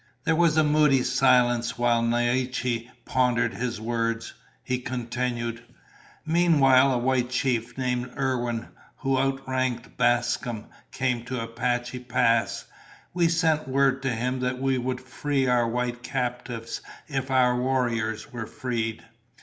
There was a moody silence while Naiche pondered his words. He continued: "Meanwhile a white chief named Irwin, who outranked Bascom, came to Apache Pass. We sent word to him that we would free our white captives if our warriors were freed.